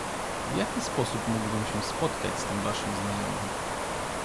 "W jaki sposób mógłbym się spotkać z tym waszym znajomym?"